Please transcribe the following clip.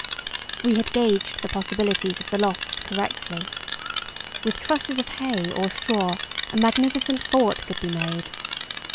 We had gauged the possibilities of the lofts correctly. With trusses of hay or straw, a magnificent fort could be made.